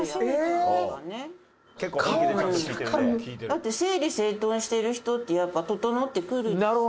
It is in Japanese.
だって整理整頓してる人ってやっぱ整ってくるでしょ？